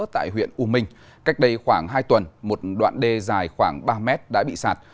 tại huyện u minh cách đây khoảng hai tuần một đoạn đê dài khoảng ba mét đã bị sạt